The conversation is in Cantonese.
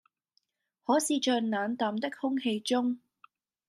可是在冷淡的空氣中，